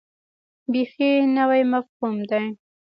بیخي نوی مفهوم دی.